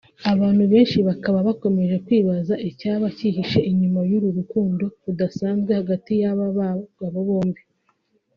Abantu benshi bakaba bakomeje kwibaza icyaba cyihishe inyuma y’uru rukundo rudasanzwe hagati y’aba bagabo bombi